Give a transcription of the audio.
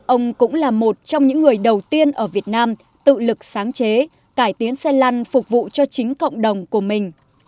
ông cũng là một trong những người đầu tiên ở việt nam tự lực sáng chế cải tiến xe lăn phục vụ cho chính cộng đồng của mình